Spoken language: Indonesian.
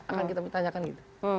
akan kita tanyakan gitu